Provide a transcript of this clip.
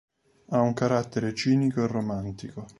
Ha un carattere cinico e romantico.